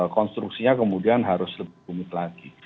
konstruksinya kemudian harus lebih rumit lagi